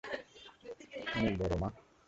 অনেক বড়, মা।